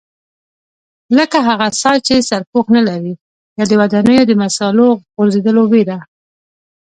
لکه هغه څاه چې سرپوښ نه لري یا د ودانیو د مسالو غورځېدو وېره.